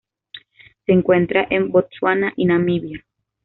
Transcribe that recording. Se encuentra en Botsuana y Namibia.